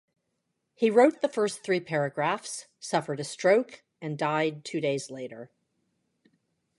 He wrote the first three paragraphs, suffered a stroke, and died two days later.